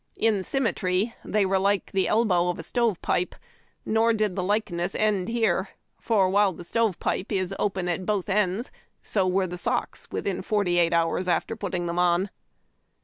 In synnnetr}' , they were like an elbow of stove pipe ; nor did the likeness end here, for, while the stove pipe is open at both ends, so were the socks within forty eight hours after puttings them on.